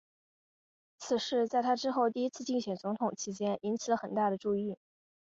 此事在他之后第一次竞选总统期间引起了很大的注意。